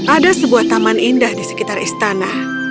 ada sebuah taman indah di sekitar istana